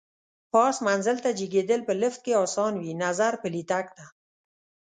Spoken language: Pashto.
پاس منزل ته جګېدل په لېفټ کې اسان وي، نظر پلي تګ ته.